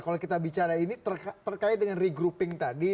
kalau kita bicara ini terkait dengan regrouping tadi